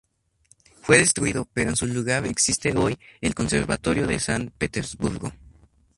Fue destruido, pero en su lugar existe hoy el Conservatorio de San Petersburgo.